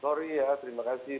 sorry ya terima kasih